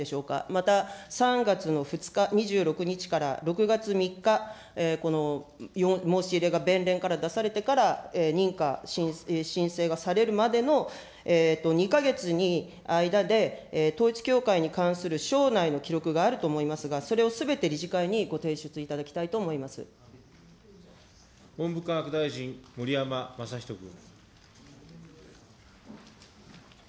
また３月の２日、２６日から６月３日、この申し入れが弁連から出されてから認可、申請がされるまでの２か月に、間で統一教会に関する省内の記録があると思いますが、それをすべて理事会にご提出いただきたいと思文部科学大臣、盛山正仁君。